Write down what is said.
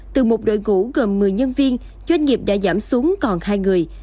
từ một đội ngũ gồm một mươi nhân viên doanh nghiệp đã giảm xuống còn hai người